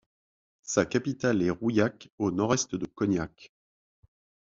Sa capitale est Rouillac, au nord-est de Cognac.